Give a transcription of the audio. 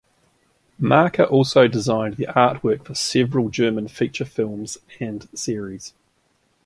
Marka also designed the artwork for several German feature films and series.